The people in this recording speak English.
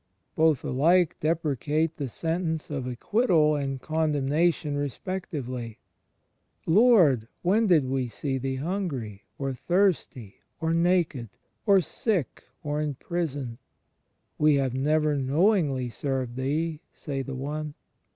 Both alike deprecate the sentence of acquittal and condemnation respectively: "Lord, when did we see thee hungry, ... or thirsty, ... or naked ... or sick or in prison?" ... "We have never knowingly served Thee," say the one.